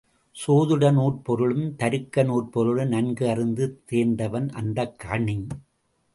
சோதிடநூற் பொருளும் தருக்க நூற்பொருளும் நன்குஅறிந்து தேர்ந்தவன் அந்தக் கணி.